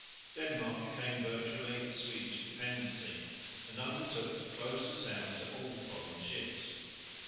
Denmark became virtually a Swedish dependency, and undertook to close the Sound to all foreign ships.